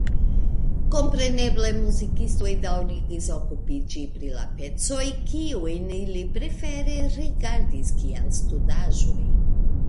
Kompreneble muzikistoj daŭrigis okupiĝi pri la pecoj, kiujn ili prefere rigardis kiel studaĵoj.